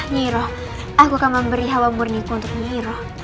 nyira aku akan memberi hawa murniku untuk nyira